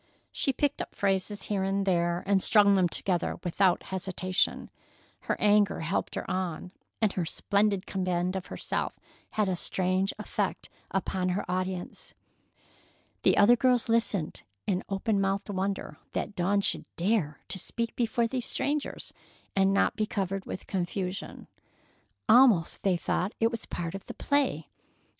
She picked up phrases here and there and strung them together without hesitation. Her anger helped her on, and her splendid command of herself had a strange effect upon her audience. The other girls listened in open mouthed wonder that Dawn should dare to speak before these strangers and not be covered with confusion. Almost they thought it was part of the play.